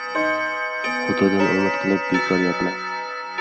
• Xudodan umid qilib, bekor yotma.